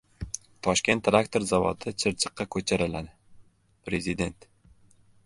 Toshkent traktor zavodi Chirchiqqa ko‘chiriladi - Prezident